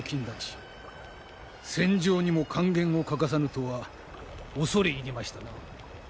戦場にも管弦を欠かさぬとは恐れ入りましたな。